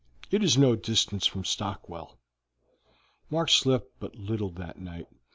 "It is no distance from Stockwell." Mark slept but little that night.